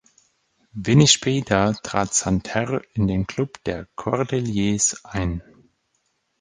Wenig später trat Santerre in den Klub der Cordeliers ein.